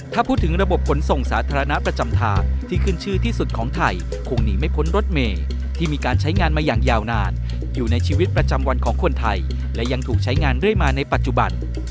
ถ้าพูดถึงระบบขนส่งสาธารณะประจำทางที่ขึ้นชื่อที่สุดของไทยคงหนีไม่พ้นรถเมย์ที่มีการใช้งานมาอย่างยาวนานอยู่ในชีวิตประจำวันของคนไทยและยังถูกใช้งานเรื่อยมาในปัจจุบัน